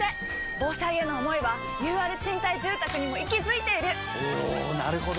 防災への想いはＵＲ賃貸住宅にも息づいているおなるほど！